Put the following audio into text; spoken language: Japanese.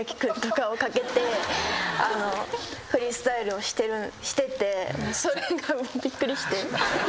フリースタイルをしててそれがびっくりして。